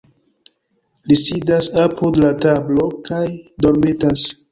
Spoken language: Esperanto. Li sidas apud la tablo kaj dormetas.